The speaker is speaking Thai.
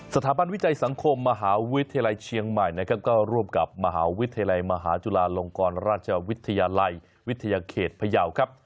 สถาบันวิจัยสังคมมหาวิทยาลัยเชียงใหม่นะครับก็ร่วมกับมหาวิทยาลัยมหาจุฬาลงกรราชวิทยาลัยวิทยาเขตพยาวครับ